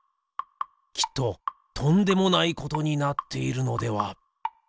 きっととんでもないことになっているのでは？